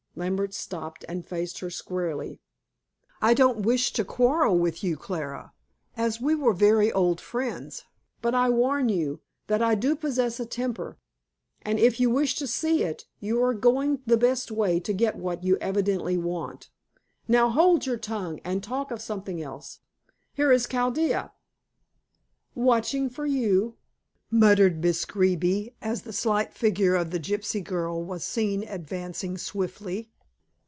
Lambert stopped, and faced her squarely. "I don't wish to quarrel with you, Clara, as we are very old friends. But I warn you that I do possess a temper, and if you wish to see it, you are going the best way to get what you evidently want. Now, hold your tongue and talk of something else. Here is Chaldea." "Watching for you," muttered Miss Greeby, as the slight figure of the gypsy girl was seen advancing swiftly.